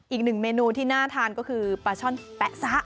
อีกหนึ่งเมนูที่น่าทานก็คือปลาช่อนแป๊ะซะ